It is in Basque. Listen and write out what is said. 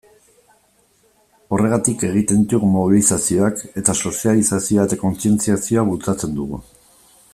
Horregatik egiten ditugu mobilizazioak, eta sozializazioa eta kontzientziazioa bultzatzen dugu.